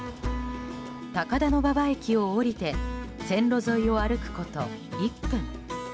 高田馬場駅を降りて線路沿いを歩くこと１分。